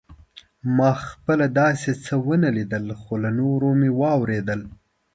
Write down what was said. ما خپله داسې څه ونه لیدل خو له نورو مې واورېدل.